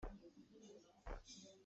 Kan mit a kut tikah kan ha kan ham.